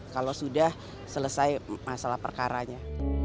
kalau sudah selesai masalah perkaranya